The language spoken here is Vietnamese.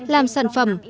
làm sản phẩm